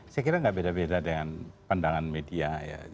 saya kira tidak beda beda dengan pandangan media